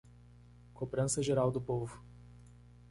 Cobrança geral do povo